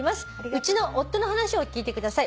うちの夫の話を聞いてください」